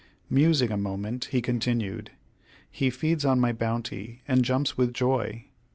Musing a moment, he continued: "He feeds on my bounty, and jumps with joy.